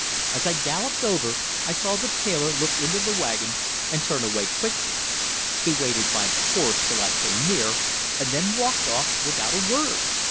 "As I galloped over, I saw the tailor look into the wagon, and turn away quickly. He waited by the horse till I came near, and then walked off without a word.